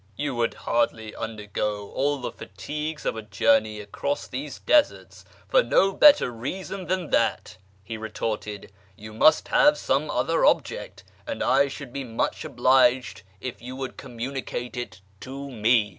" You would hardly undergo all the fatigues of a journey across these deserts for no better reason than that," he re torted ;" you must have had some other object, and I should be much obliged if you would communicate it to me."